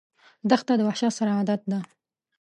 دښته د وحشت سره عادت ده.